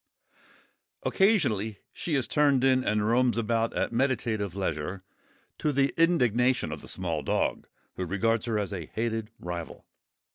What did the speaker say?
Occasionally she is turned in and roams about at meditative leisure, to the indignation of the small dog, who regards her as a hated rival.